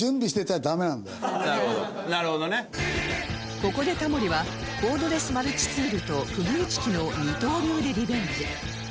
ここでタモリはコードレスマルチツールと釘打機の２刀流でリベンジ